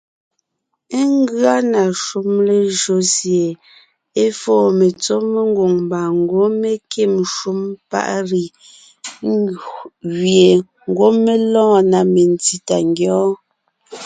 Ngʉa na shúm lejÿo sie é foo metsɔ́ mengwòŋ mbà ngwɔ́ mé kîm shúm paʼ “riz” gẅie ngwɔ́ mé lɔɔn na metsí tà ngyɔ́ɔn.